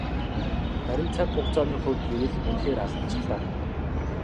Харин цаг хугацааны хувьд гэвэл үнэхээр алдчихлаа.